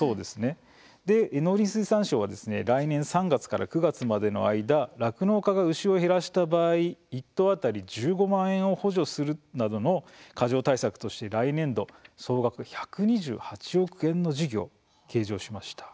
農林水産省は来年３月から９月までの間酪農家が牛を減らした場合１頭当たり１５万円を補助するなどの過剰対策として来年度、総額１２８億円の事業を計上しました。